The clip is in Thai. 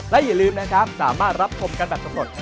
และอย่าลืมนะครับสามารถรับชมกันแบบสำรวจ